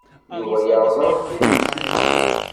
Yuba yeṛẓa lqid n tsusmi.